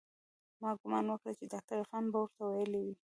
ما ګومان وکړ چې ډاکتر عرفان به ورته ويلي وي.